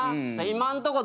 今んとこ？